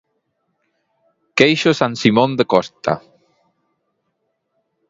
Queixo San Simón de Costa.